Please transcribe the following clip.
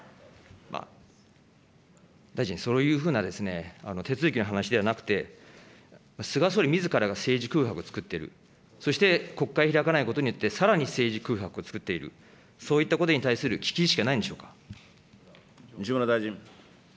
大臣、そういうふうな手続きの話ではなくて、菅総理みずからが政治空白を作っている、そして国会開かないことによって、さらに政治空白を作っている、そういったことに対する危機意識はないんでしょう西村大臣。